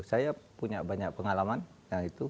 saya punya banyak pengalaman yang itu